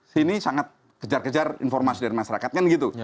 mereka sangat mengejar informasi dari masyarakat